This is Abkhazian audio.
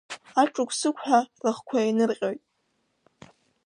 Аҿыгә-сыгәҳәа рыхқәа еинырҟьоит.